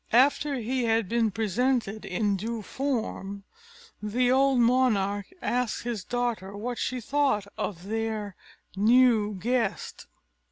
After he had been presented in due form, the old monarch asked his daughter what she thought of their new guest.